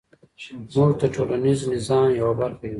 موږ د ټولنیز نظام یوه برخه یو.